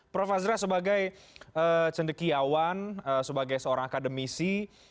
prof azra sebagai cendekiawan sebagai seorang akademisi